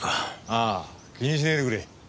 ああ気にしねえでくれ。